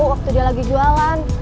waktu dia lagi jualan